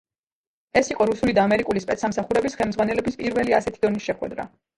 ეს იყო რუსული და ამერიკული სპეცსამსახურების ხელმძღვანელების პირველი ასეთი დონის შეხვედრა.